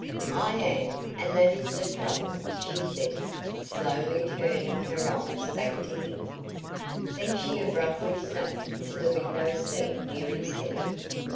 "I am and that is the trouble!" she said, slowly turning her eyes back to him. Then she abruptly sank to the window seat near his head.